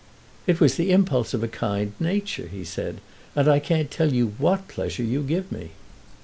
"It was the impulse of a kind nature," he said, "and I can't tell you what pleasure you give me."